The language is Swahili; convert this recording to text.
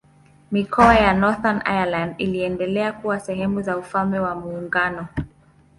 Mikoa ya Northern Ireland iliendelea kuwa sehemu za Ufalme wa Muungano.